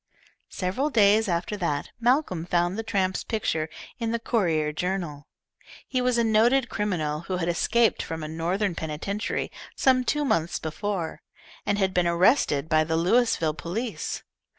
Several days after that Malcolm found the tramp's picture in the Courier Journal. He was a noted criminal who had escaped from a Northern penitentiary some two months before, and had been arrested by the Louisville police.